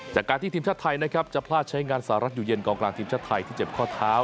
จากการที่ทีมชาติไทยนะครับจะพลาดใช้งานสหรัฐอยู่เย็นกองกลางทีมชาติไทยที่เจ็บข้อเท้า